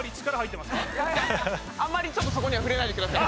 あんまりちょっとそこには触れないでください